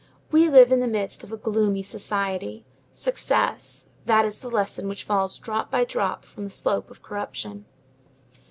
We live in the midst of a gloomy society. Success; that is the lesson which falls drop by drop from the slope of corruption.